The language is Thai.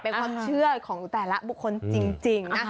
เป็นความเชื่อของแต่ละบุคคลจริงนะคะ